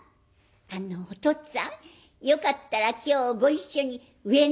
「あのおとっつぁんよかったら今日ご一緒に上野へ参りませんか。